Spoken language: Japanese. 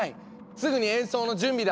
すぐに演奏の準備だ！